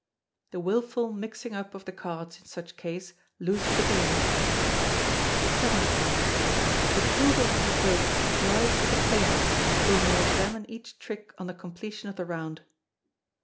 [The wilful mixing up of the cards in such case loses the game.] xvii. The proof of a revoke lies with the claimants, who may examine each trick on the completion of the round.